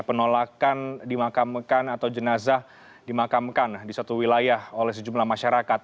penolakan dimakamkan atau jenazah dimakamkan di satu wilayah oleh sejumlah masyarakat